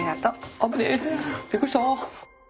危ねえびっくりした。